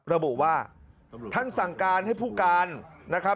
ระบุว่าท่านสั่งการให้ผู้การนะครับ